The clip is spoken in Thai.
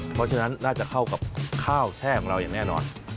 เพราะฉะนั้นน่าจะเข้ากับข้าวแช่ของเราอย่างแน่นอน